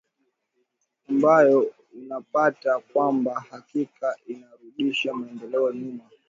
ambayo unapata kwamba hakika inarudisha maendeleo nyuma